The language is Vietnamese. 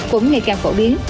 cũng ngày càng phổ biến